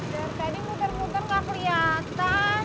dan tadi muter muter ga keliatan